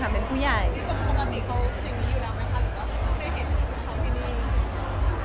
ประมาณนี้เขาอยู่แล้วไหมคะหรือได้เห็นเขาที่นี่